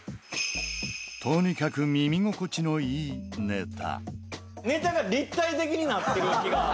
とにかく耳心地のいいネタ。